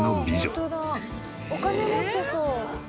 「お金持ってそう」